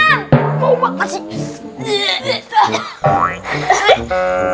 kau makan apa sih